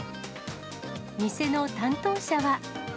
店の担当者は。